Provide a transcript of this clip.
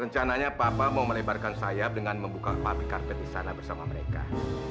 rencananya papa mau melebarkan sayap dengan membuka public karpet di sana bersama mereka